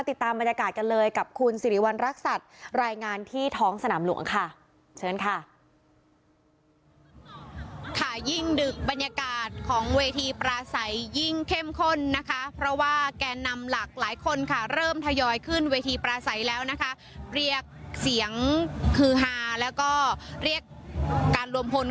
ติดตามบรรยากาศกันเลยกับคุณสิริวัณรักษัตริย์รายงานที่ท้องสนามหลวงค่ะเชิญค่ะ